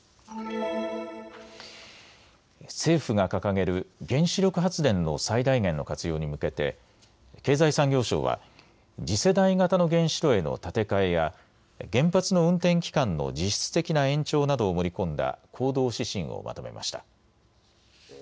政府が掲げる原子力発電の最大限の活用に向けて経済産業省は次世代型の原子炉への建て替えや原発の運転期間の実質的な延長などを盛り込んだ行動指針をまとめました。